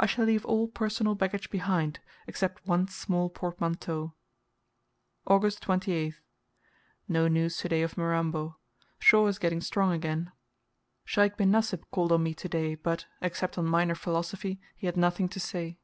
I shall leave all personal baggage behind, except one small portmanteau. August 28th. No news to day of Mirambo. Shaw is getting strong again. Sheikh bin Nasib called on me to day, but, except on minor philosophy, he had nothing to say.